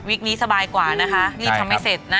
วิกนี้สบายกว่าในสัปดาห์นี้ยังทำไม่เสร็จนะ